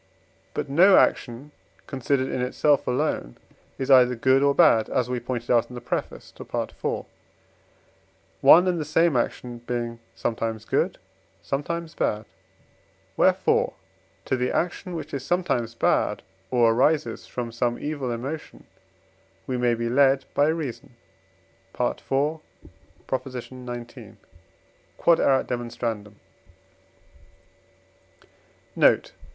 But no action, considered in itself alone, is either good or bad (as we pointed out in the preface to Pt. IV.), one and the same action being sometimes good, sometimes bad; wherefore to the action which is sometimes bad, or arises from some evil emotion, we may be led by reason (IV. xix.). Q.E.D. Note.